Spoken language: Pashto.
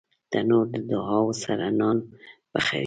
تنور د دعاوو سره نان پخوي